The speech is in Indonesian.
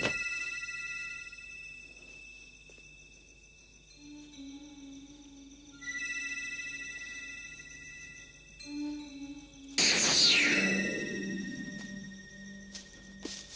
tidak ada yang bisa dihukum